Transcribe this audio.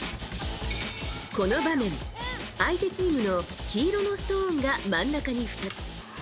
この場面、相手チームの黄色のストーンが真ん中に２つ。